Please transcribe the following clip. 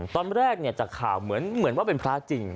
ตอนแรกจากข่าวเหมือนว่าเป็นพระจริง